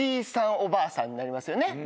おばあさんになりますよね。